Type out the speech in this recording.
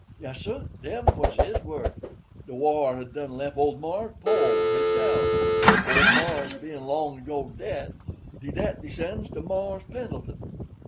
Yessir—dem was his words. De war had done lef' old mars' po' hisself. Old mars' bein' long ago dead, de debt descends to Mars' Pendleton.